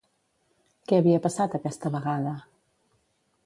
Què havia passat, aquesta vegada?